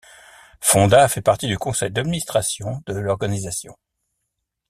Fonda fait partie du conseil d'administration de l'organisation.